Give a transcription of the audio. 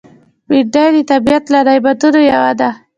بېنډۍ د طبیعت له نعمتونو یوه ده